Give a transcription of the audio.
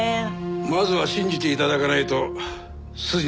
まずは信じて頂かないと筋の通しようがない。